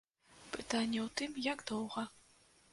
Пытанне ў тым, як доўга.